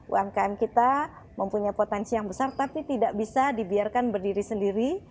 umkm kita mempunyai potensi yang besar tapi tidak bisa dibiarkan berdiri sendiri